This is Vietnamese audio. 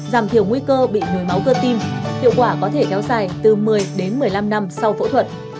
giảm thiểu nguy cơ bị nhồi máu cơ tim hiệu quả có thể kéo dài từ một mươi đến một mươi năm năm sau phẫu thuật